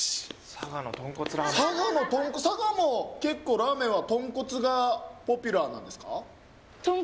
佐賀も結構ラーメンは豚骨がポピュラーなんですか？